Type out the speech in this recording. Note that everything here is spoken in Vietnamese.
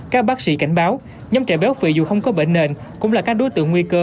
các bác sĩ cảnh báo nhóm trẻ béo phì dù không có bệnh nền cũng là các đối tượng nguy cơ